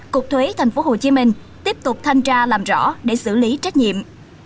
cục thuế thành phố hồ chí minh tiếp tục thanh tra làm rõ để xử lý trách nhiệm